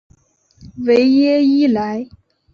维耶伊莱。